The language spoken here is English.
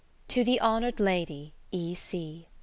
To the Honoured Lady E.C.